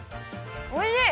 おいしい！